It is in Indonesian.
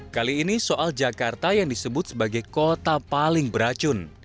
kali ini soal jakarta yang disebut sebagai kota paling beracun